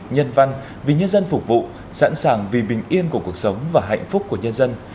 nhân văn vì nhân dân phục vụ sẵn sàng vì bình yên của cuộc sống và hạnh phúc của nhân dân